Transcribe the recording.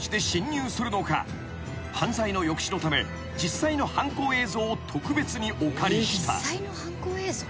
［犯罪の抑止のため実際の犯行映像を特別にお借りした］